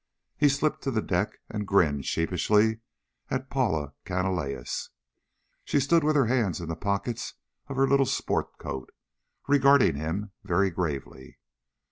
He slipped to the deck and grinned sheepishly at Paula Canalejas. She stood with her hands in the pockets of her little sport coat, regarding him very gravely.